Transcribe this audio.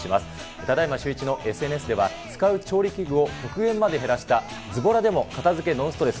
ただいまシューイチのＳＮＳでは、使う調理器具を極限まで減らしたズボラでも片付けノンストレス！